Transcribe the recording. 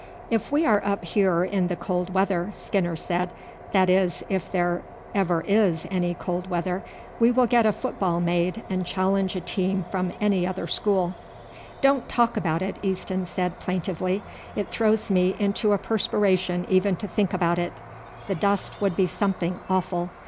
"If we are up here in the cold weather," Skinner said, "that is, if there ever is any cold weather, we will get a football made and challenge a team from any other school." "Don't talk about it," Easton said plaintively. "It throws me into a perspiration even to think about it. The dust would be something awful.